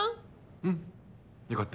うんよかった。